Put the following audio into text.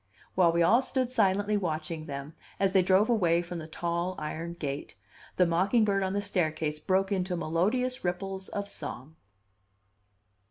While we all stood silently watching them as they drove away from the tall iron gate, the mocking bird on the staircase broke into melodious ripples of song.